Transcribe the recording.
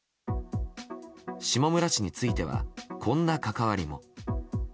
下村氏についてはこんな関わりも。